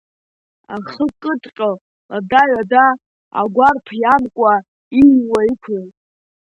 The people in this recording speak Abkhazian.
Ахы кыдҟьо, лада-ҩада агәарԥ иамкуа иҩуа иқәлеит.